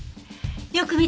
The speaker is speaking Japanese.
よく見て。